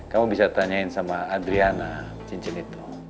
kamu bisa tanyain sama adriana cincin itu